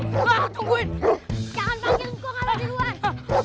jangan panggil kong